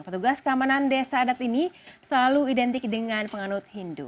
petugas keamanan desa adat ini selalu identik dengan penganut hindu